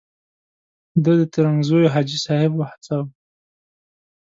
ده د ترنګزیو حاجي صاحب وهڅاوه.